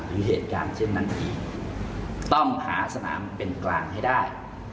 หรือเหตุการณ์เช่นนั้นอีกต้องหาสนามเป็นกลางให้ได้